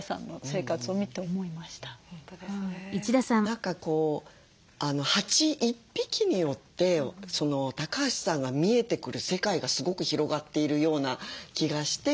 何かこう蜂１匹によって橋さんが見えてくる世界がすごく広がっているような気がして。